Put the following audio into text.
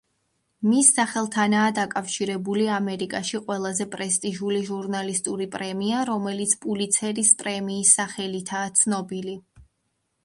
მის სახელთანაა დაკავშირებული ამერიკაში ყველაზე პრესტიჟული ჟურნალისტური პრემია, რომელიც პულიცერის პრემიის სახელითაა ცნობილი.